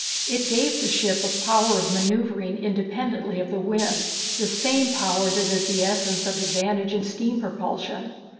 It gave the ship a power of manoeuvring independently of the wind, the same power that is the essence of advantage in steam propulsion.